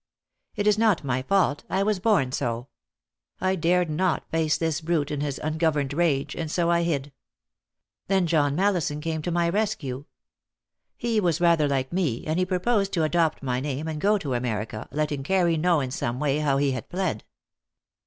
It is not my fault. I was born so. I dared not face this brute in his ungoverned rage, and so I hid. Then John Mallison came to my rescue. He was rather like me, and he proposed to adopt my name and go to America, letting Carew know in some way how he had fled.